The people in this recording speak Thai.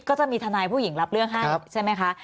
ก็จะมีทนายผู้หญิงรับเรื่องให้ใช่ไหมคะ